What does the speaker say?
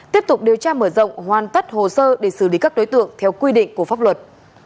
tiếp tục điều tra mở rộng hoàn tất hồ sơ để xử lý các đối tượng theo quy định của pháp luật